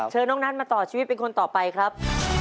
เชิญน้องนัทมาต่อชีวิตเป็นคนต่อไปครับ